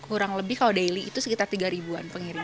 kurang lebih kalau daily itu sekitar tiga ribuan pengiriman